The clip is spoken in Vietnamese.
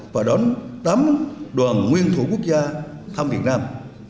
và đón tám đoàn nguyên thủ quốc gia thăm việt nam